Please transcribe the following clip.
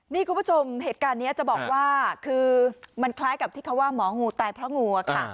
นี่คุณผู้ชมเหตุการณ์นี้จะบอกว่าคือมันคล้ายกับที่เขาว่าหมองูตายเพราะงูอะค่ะ